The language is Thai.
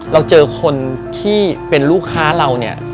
เราเจอคนที่เป็นลูกค้าเรา